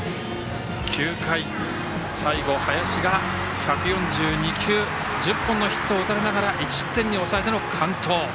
９回、最後、林が１４２球１０本のヒットを打たれながら１失点に抑えての完投。